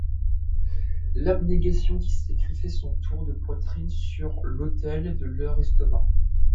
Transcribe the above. L’abnégation qui sacrifie son tour de poitrine sur l’autel de leurs estomacs.